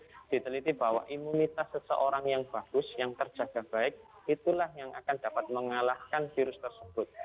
menurut saya kemudian kita bisa mengatakan bahwa imunitas seseorang yang bagus yang terjaga baik itulah yang akan dapat mengalahkan virus tersebut